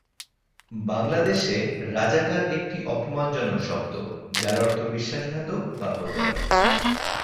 বাংলাদেশে, রাজাকার একটি অপমানজনক শব্দ, যার অর্থ বিশ্বাসঘাতক বা প্রতারক।